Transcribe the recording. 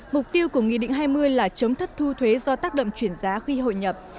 mục tiêu của nghị định hai mươi là chống thất thu thuế do tác động chuyển giá khi hội nhập